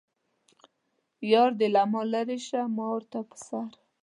یار دې له ما لرې شه ما ورته په سر.